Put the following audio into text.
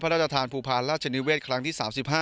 พระราชทานภูพาลราชนิเวศครั้งที่๓๕